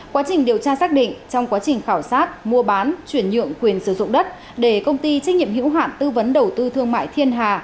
quá trình điều tra xác định trong quá trình khảo sát mua bán chuyển nhượng quyền sử dụng đất để công ty trách nhiệm hữu hạn tư vấn đầu tư thương mại thiên hà